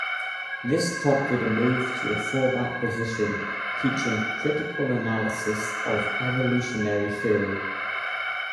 This prompted a move to a fallback position, teaching "critical analysis" of evolutionary theory.